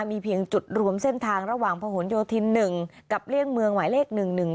มีเพียงจุดรวมเส้นทางระหว่างผนโยธิน๑กับเลี่ยงเมืองหมายเลข๑๑๒